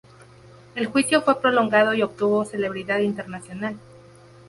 El juicio fue prolongado y obtuvo celebridad internacional.